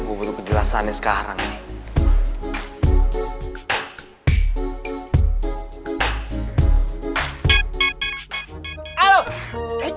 gue butuh penjelasannya sekarang nih